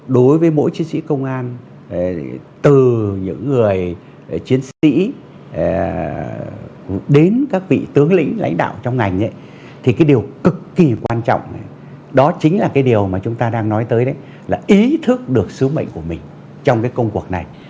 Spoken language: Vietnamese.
đối với mỗi chiến sĩ công an từ những người chiến sĩ đến các vị tướng lĩnh lãnh đạo trong ngành thì điều cực kỳ quan trọng đó chính là điều chúng ta đang nói tới là ý thức được sứ mệnh của mình trong công cuộc này